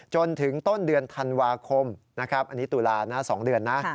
จนถึงต้นเดือนธันวาคมนะครับอันนี้ตุลานะ๒เดือนนะ